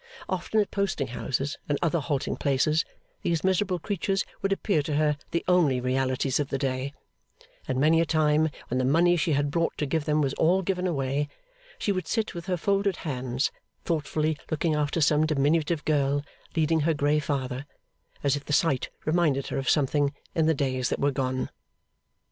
Often at posting houses and other halting places, these miserable creatures would appear to her the only realities of the day; and many a time, when the money she had brought to give them was all given away, she would sit with her folded hands, thoughtfully looking after some diminutive girl leading her grey father, as if the sight reminded her of something in the days that were gone.